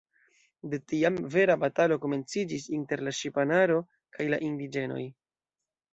De tiam, vera batalo komenciĝis inter la ŝipanaro kaj la indiĝenoj.